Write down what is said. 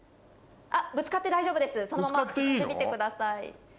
ぶつかって大丈夫ですそのまま進んでみてください。